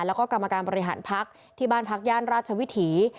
แล้วก็กรรมการบริหารพักที่บ้านพักย่านราชวิถี